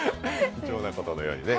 貴重なことのようにね。